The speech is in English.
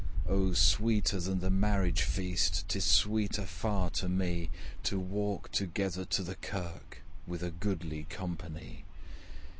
O sweeter than the marriage feast, 'Tis sweeter far to me, To walk together to the kirk With a goodly company!